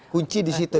kunci di situ